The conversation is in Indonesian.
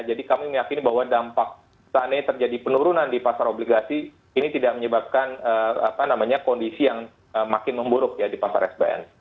jadi kami meyakini bahwa dampak ternyata terjadi penurunan di pasar obligasi ini tidak menyebabkan apa namanya kondisi yang makin memburuk ya di pasar sbn